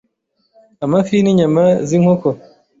amafi, n’inyama z’inkoko,